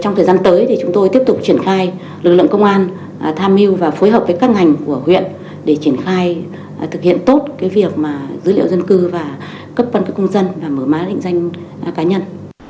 trong thời gian tới thì chúng tôi tiếp tục triển khai lực lượng công an tham mưu và phối hợp với các ngành của huyện để triển khai thực hiện tốt việc dữ liệu dân cư và cấp căn cứ công dân và mở má định danh cá nhân